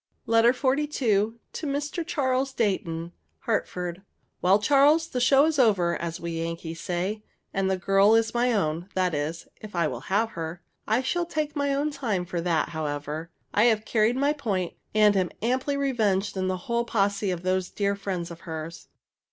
LETTER XLII. TO MR. CHARLES DEIGHTON. HARTFORD. Well, Charles, the show is over, as we Yankees say, and the girl is my own; that is, if I will have her. I shall take my own time for that, however. I have carried my point, and am amply revenged on the whole posse of those dear friends of hers.